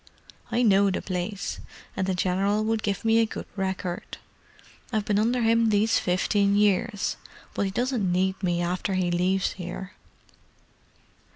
I know the place, and the General 'ud give me a good record. I've been under him these fifteen years, but he doesn't need me after he leaves here."